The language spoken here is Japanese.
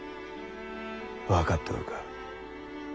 分かっておるか？